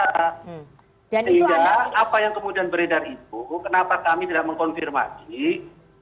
sehingga apa yang kemudian beredar itu kenapa kami tidak mengkonfirmasi